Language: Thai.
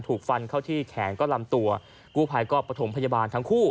ถูกฟันเข้าที่แขนก็ลำตัวกู้ภัยก็ประถมพยาบาลทั้งคู่